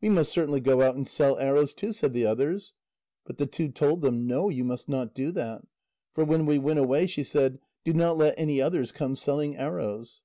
"We must certainly go out and sell arrows, too," said the others. But the two told them: "No, you must not do that. For when we went away, she said: 'Do not let any others come selling arrows.'"